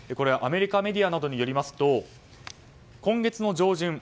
アメリカメディアなどによりますと今月の上旬